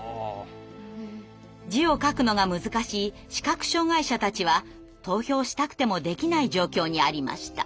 字を書くのが難しい視覚障害者たちは投票したくてもできない状況にありました。